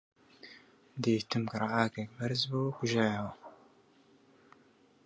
دیتم گڕەئاگرێک بەرز بۆوە و کوژایەوە